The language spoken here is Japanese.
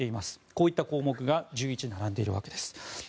こういった項目が１１並んでいるわけです。